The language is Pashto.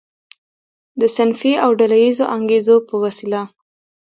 د صنفي او ډله ییزو انګیزو په وسیله.